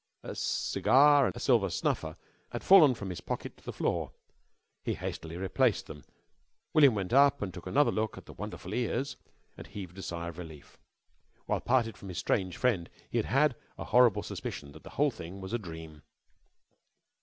A cigar and a silver snuffer had fallen from his pocket to the floor. He hastily replaced them. William went up and took another look at the wonderful ears and heaved a sigh of relief. While parted from his strange friend he had had a horrible suspicion that the whole thing was a dream.